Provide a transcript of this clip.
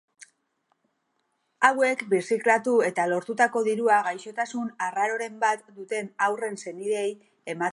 Hauek birziklatu eta lortutako dirua gaixotasun arraroren bat duten haurren senideei ematen zaie.